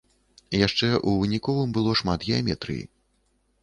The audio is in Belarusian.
Яшчэ ў выніковым было шмат геаметрыі.